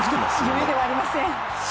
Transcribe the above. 夢ではありません。